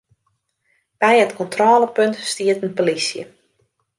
By it kontrôlepunt stiet in plysje.